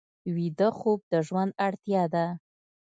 ویده خوب د ژوند اړتیا ده